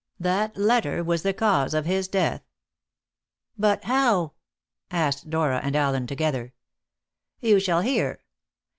That letter was the cause of his death." "But how?" asked Dora and Allen together. "You shall hear.